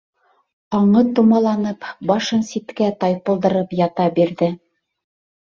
Аңы томаланып, башын ситкә тайпылдырып ята бирҙе.